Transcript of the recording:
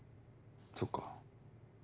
そっか。